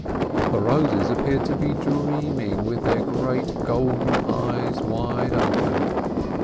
The roses appeared to be dreaming with their great golden eyes wide open.